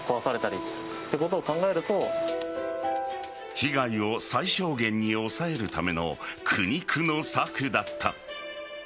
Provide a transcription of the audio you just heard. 被害を最小限に抑えるための苦肉の策だった。